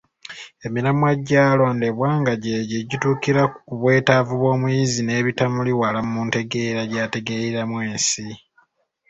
Emiramwa gyalondebwa nga gy’egyo egituukira ku bwetaavu bw’omuyizi n’ebitamuli wala mu ntegeera gy’ategeeramu ensi.